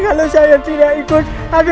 kalau saya tidak ikut